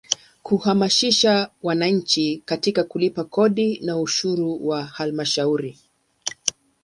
Kuhamasisha wananchi katika kulipa kodi na ushuru wa Halmashauri.